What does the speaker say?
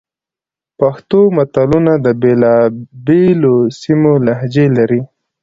پښتو متلونه د بېلابېلو سیمو لهجې لري